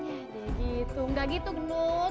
ya udah gitu enggak gitu genut